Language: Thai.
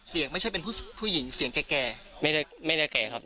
เสียงไม่ใช่เป็นผู้หญิงเสียงแก่แก่ไม่ได้ไม่ได้แก่ครับ